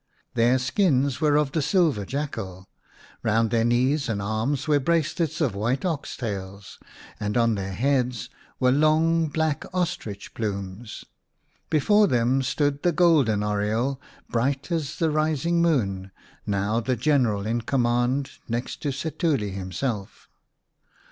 Their skins were of the silver jackal ; round their knees and arms were bracelets of white ox tails, and on their heads were long black ostrich plumes. Before them stood the golden oriole, bright as the rising moon, now the general in command next to Setuli himself.